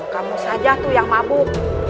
kamu saja yang mabuk